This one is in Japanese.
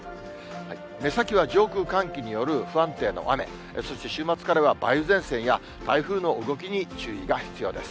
目先は上空寒気による不安定な雨、そして週末からは梅雨前線や台風の動きに注意が必要です。